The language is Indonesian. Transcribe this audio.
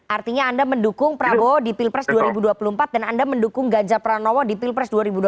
artinya anda mendukung prabowo di pilpres dua ribu dua puluh empat dan anda mendukung ganjar pranowo di pilpres dua ribu dua puluh